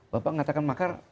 bapak mengatakan makar